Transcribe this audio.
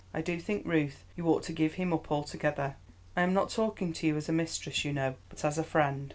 I do think, Ruth, you ought to give him up altogether. I am not talking to you as a mistress, you know, but as a friend."